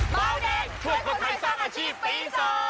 เบาแดงช่วยคนไทยสร้างอาชีพปี๒